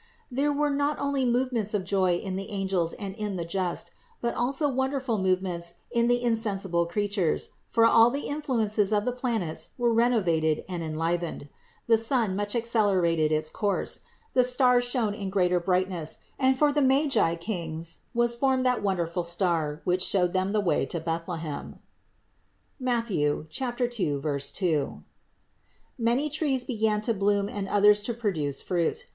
There were not only movements of joy in the angels and in the just, but also wonderful movements in the insensible creatures; for all the influences of the planets were renovated and enlivened. The sun much accelerated its course; the stars shone in greater bright ness ; and for the Magi kings was formed that wonderful star, which showed them the way to Bethlehem (Matth. 2,2). Many trees began to bloom and others to produce fruit.